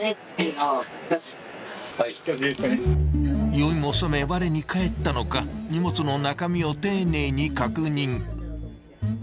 ［酔いもさめわれに返ったのか荷物の中身を丁寧に確認］